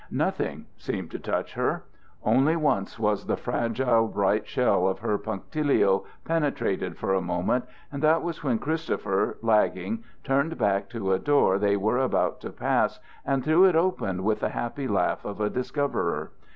Nothing seemed to touch her. Only once was the fragile, bright shell of her punctilio penetrated for a moment, and that was when Christopher, lagging, turned back to a door they were about to pass and threw it open with the happy laugh of a discoverer.